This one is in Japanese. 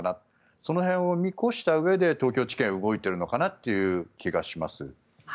その辺を見越したうえで東京地検は動いているのかなという気がします。